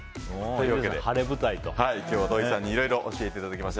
今日は土井さんにいろいろ教えていただきました。